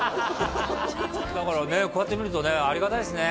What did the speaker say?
だからねこうやって見るとねありがたいですね